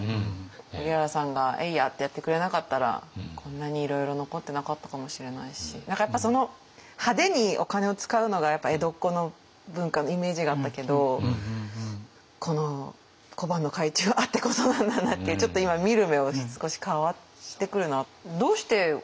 荻原さんが「えいや！」ってやってくれなかったらこんなにいろいろ残ってなかったかもしれないし何かやっぱ派手にお金を使うのが江戸っ子の文化のイメージがあったけどこの小判の改鋳があってこそなんだなってちょっと今見る目を少し変わってくるな。